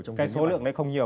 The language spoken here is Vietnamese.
cái số lượng đấy không nhiều